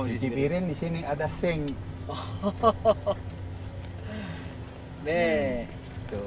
cuci piring di sini ada sink